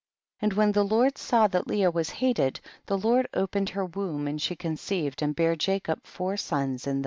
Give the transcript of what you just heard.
14. And when the Lord saw that Leah was hated, the Lord opened her womb, and she conceived and bare Jacob four sons in those days.